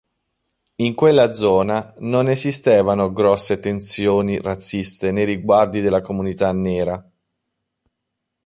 In quella zona, non esistevano grosse tensioni razziste nei riguardi della comunità nera.